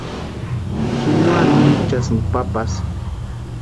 Ji no anhinchasïnka papasï.